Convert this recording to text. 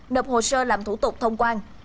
nộp hồ sơ làm thủ tục thông quan